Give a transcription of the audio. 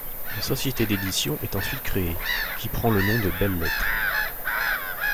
Une société d'édition est ensuite créée, qui prend le nom de Belles Lettres.